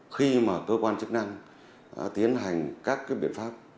khi mà cơ quan chức năng tiến hành các cái biện pháp